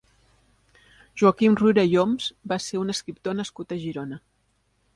Joaquim Ruyra i Oms va ser un escriptor nascut a Girona.